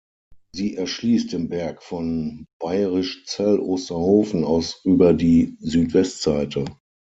Sie erschließt den Berg von Bayrischzell-Osterhofen aus über die Südwest-Seite.